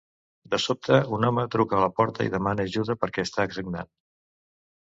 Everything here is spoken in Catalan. De sobte un home truca a la porta i demana ajuda perquè està sagnant.